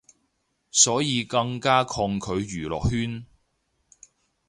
所以更加抗拒娛樂圈